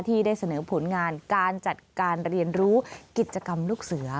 ที่ได้เสนอผลงานการจัดการเรียนรู้กิจกรรมลูกเสือ